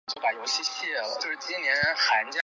市场也提供农药残留检定及会计等的服务。